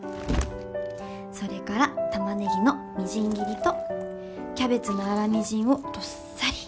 それからタマネギのみじん切りとキャベツの粗みじんをどっさり。